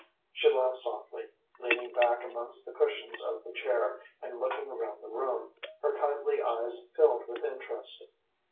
She laughed softly, leaning back amongst the cushions of the chair and looking around the room, her kindly eyes filled with interest.